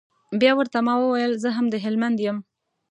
بيا ورته ما وويل زه هم د هلمند يم.